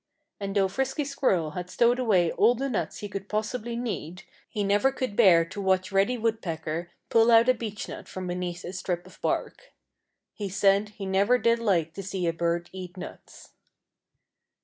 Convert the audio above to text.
And though Frisky Squirrel had stowed away all the nuts he could possibly need, he never could bear to watch Reddy Woodpecker pull out a beechnut from beneath a strip of bark. He said he never did like to see a bird eat nuts.